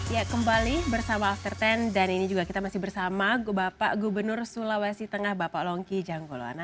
ya kembali bersama after sepuluh dan ini juga kita masih bersama bapak gubernur sulawesi tengah bapak longki jangkoloana